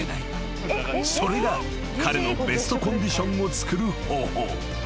［それが彼のベストコンディションをつくる方法］